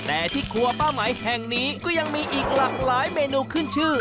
แต่ที่ครัวป้าไหมแห่งนี้ก็ยังมีอีกหลากหลายเมนูขึ้นชื่อ